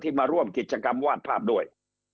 มาร่วมกิจกรรมวาดภาพด้วย